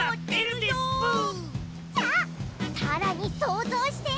じゃあさらにそうぞうして！